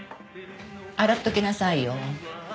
洗っておきなさいよ。